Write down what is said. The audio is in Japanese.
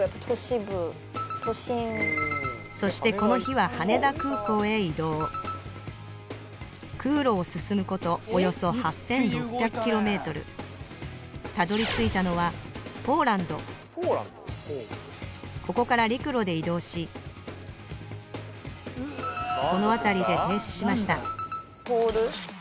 そしてこの日は羽田空港へ移動空路を進むことおよそ８，６００ｋｍたどり着いたのはポーランドここから陸路で移動しこの辺りで停止しましたホール？